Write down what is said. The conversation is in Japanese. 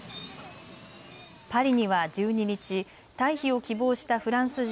パリには１２日、退避を希望したフランス人